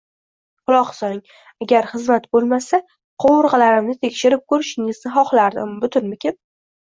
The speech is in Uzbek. Quloq soling, agar xizmat bo`lmasa, qovurg`alarimni tekshirib ko`rishingizni xohlardim, butumnikin